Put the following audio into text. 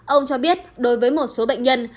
ông cho biết đối với một số bệnh nhân